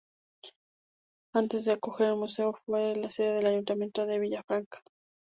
Antes de acoger el museo, fue la sede del Ayuntamiento de Villafranca.